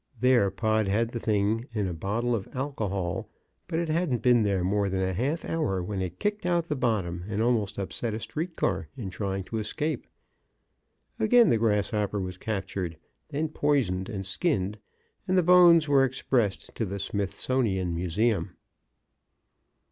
There Pod put the thing in a bottle of alcohol, but it hadn't been there more than a half hour when it kicked out the bottom, and almost upset a street car in trying to escape. Again the grasshopper was captured, then poisoned and skinned, and the bones were expressed to the Smithsonian Museum.